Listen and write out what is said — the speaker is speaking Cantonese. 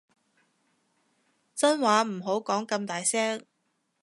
真話唔好講咁大聲